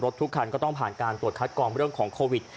ทุกคันก็ต้องผ่านการตรวจคัดกรองเรื่องของโควิด